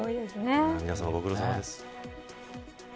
皆さん、御苦労さまです。